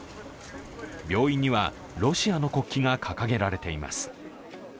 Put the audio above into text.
病院にはロシアの国旗が掲げられています。